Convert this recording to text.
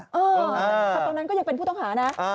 แต่ตรงนั้นก็ยังเป็นผู้ต้องหานะ